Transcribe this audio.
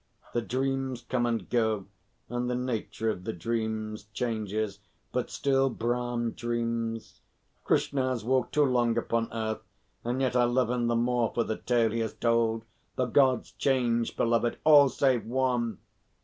The dreams come and go, and the nature of the dreams changes, but still Brahm dreams. Krishna has walked too long upon earth, and yet I love him the more for the tale he has told. The Gods change, beloved all save One!"